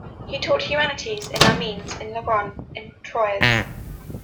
He taught humanities in Amiens, in Langres, and in Troyes.